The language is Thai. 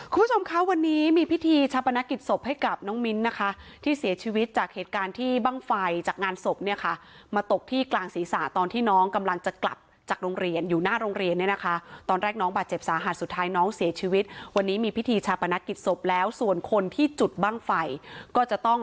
คุณผู้ชมคะวันนี้มีพิธีชาปนกิจศพให้กับน้องมิ้นนะคะที่เสียชีวิตจากเหตุการณ์ที่บ้างไฟจากงานศพเนี่ยค่ะมาตกที่กลางศีรษะตอนที่น้องกำลังจะกลับจากโรงเรียนอยู่หน้าโรงเรียนเนี่ยนะคะตอนแรกน้องบาดเจ็บสาหัสสุดท้ายน้องเสียชีวิตวันนี้มีพิธีชาปนกิจศพแล้วส่วนคนที่จุดบ้างไฟก็จะต้อง